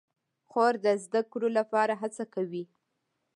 خور د زده کړو لپاره هڅه کوي.